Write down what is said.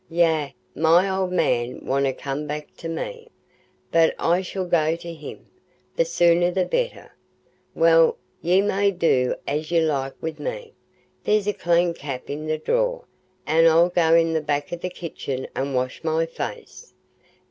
"Yea, my old man wonna come back to me, but I shall go to him—the sooner the better. Well, ye may do as ye like wi' me: there's a clean cap i' that drawer, an' I'll go i' the back kitchen an' wash my face.